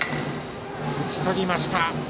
打ち取りました。